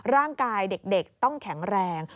ร่างกายเด็กต้องแข็งแรง